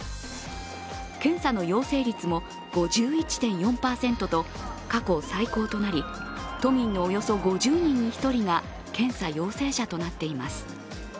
検査の陽性率も５１．４％と過去最高となり都民のおよそ５０人に一人が検査陽性者となっています。